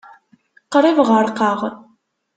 Qrib ɣerqeɣ.